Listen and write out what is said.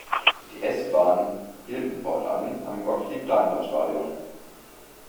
Die S-Bahnen hielten fortan am "Gottlieb-Daimler-Stadion".